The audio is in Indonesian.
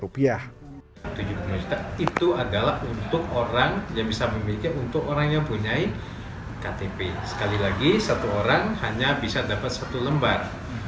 rp tujuh puluh lima itu adalah untuk orang yang punya ktp sekali lagi satu orang hanya bisa dapat satu lembar